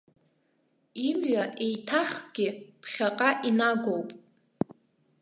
Имҩа еиҭахгьы ԥхьаҟа инагоуп!